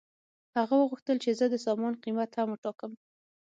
هغه وغوښتل چې زه د سامان قیمت هم وټاکم